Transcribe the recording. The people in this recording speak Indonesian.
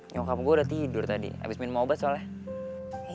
nyokap gua udah tidur tadi abis minum obat soalnya